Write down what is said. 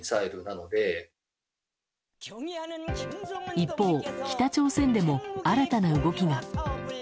一方、北朝鮮でも新たな動きが。